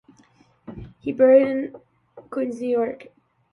He is buried in Calvary Cemetery in Queens, New York.